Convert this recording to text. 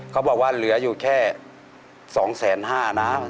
เขาบอกว่าเหลืออยู่แค่๒๕๐๐นะ